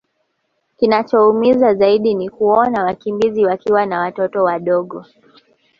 Kinachoumiza zaidi ni kuona wakimbizi wakiwa na watoto wadogo